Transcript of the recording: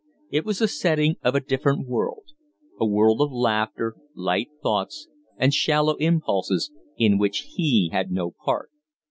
It was the setting of a different world a world of laughter, light thoughts, and shallow impulses, in which he had no part.